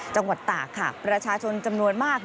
จังหวัดตากค่ะประชาชนจำนวนมาก